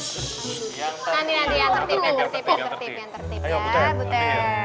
tadi nanti yang tertib ya